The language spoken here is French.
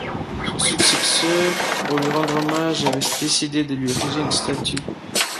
Son successeur, pour lui rendre hommage, avait décidé de lui ériger une statue.